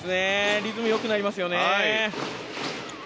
リズムよくなりますよね。